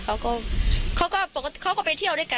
เพราะไม่เคยถามลูกสาวนะว่าไปทำธุรกิจแบบไหนอะไรยังไง